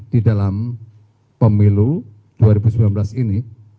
di dalam pemilu dua ribu sembilan belas ini